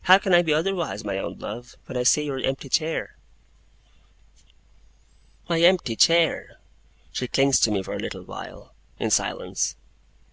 'How can I be otherwise, my own love, when I see your empty chair?' 'My empty chair!' She clings to me for a little while, in silence.